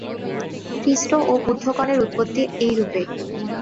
খ্রীষ্ট ও বুদ্ধগণের উৎপত্তি এইরূপেই।